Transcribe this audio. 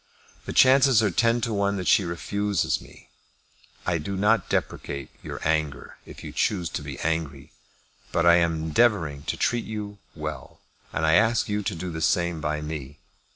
The chances are ten to one that she refuses me. I do not deprecate your anger, if you choose to be angry. But I am endeavouring to treat you well, and I ask you to do the same by me.